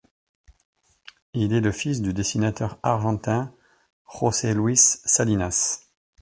Il est le fils du dessinateur argentin José Luis Salinas.